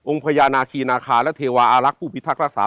องค์พระยานาคีนาคาและเทวาอารักษ์ผู้พิทักษ์รักษา